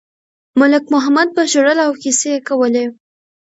ملک محمد به ژړل او کیسې یې کولې.